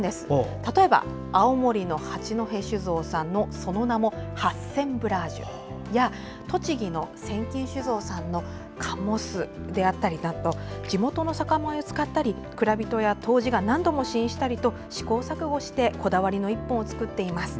例えば、青森の八戸酒造さんのその名も「ハッセンブラージュ」や栃木の仙禽酒造さんの「醸」であったりなど地元の酒米を使ったり蔵人や杜氏が何度も試飲したりと思考錯誤してこだわりの１本を作っています。